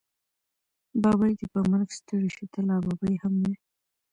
ببۍ دې په مرګ ستړې شې، ته لا ببۍ هم وی.